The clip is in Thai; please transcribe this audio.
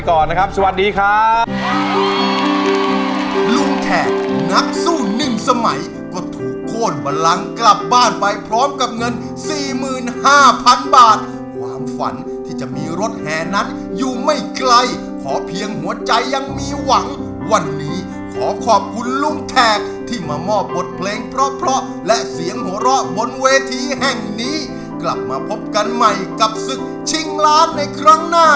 ขอลาไปก่อนนะครับสวัสดีค่ะ